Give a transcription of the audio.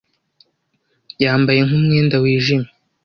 yambaye nk'umwenda wijimye